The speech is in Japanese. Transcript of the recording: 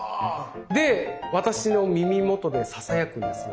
で私の耳元でささやくんですよ。